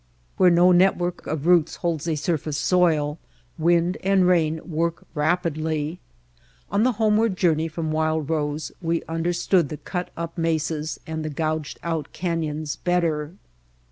Where no network of roots holds a surface soil wind and rain work rapidly. On the homeward journey from Wild Rose we understood the cut up mesas and the gouged out canyons better.